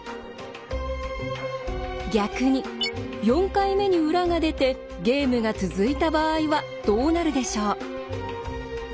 逆に４回目に裏が出てゲームが続いた場合はどうなるでしょう。